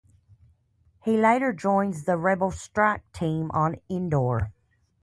He later joins the Rebel strike team on Endor.